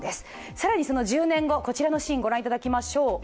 更にその１０年後、こちらのシーンご覧いただきましょう。